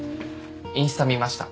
インスタ見ました。